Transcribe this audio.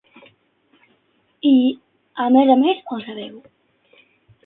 I, a més a més, ho sabeu.